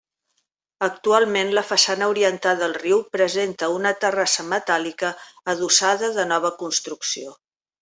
Actualment, la façana orientada al riu presenta una terrassa metàl·lica adossada de nova construcció.